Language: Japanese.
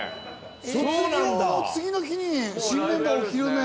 卒業の次の日に新メンバーお披露目。